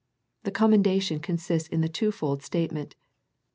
The commendation consists in the twofold statement.